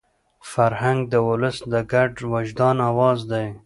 فرهنګ د ولس د ګډ وجدان اواز دی.